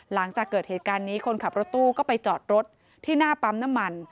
หลังจากเกิดเหตุการณ์นี้คนขับรถตู้ก็ไปจอดรถที่หน้าปั๊มน้ำมัน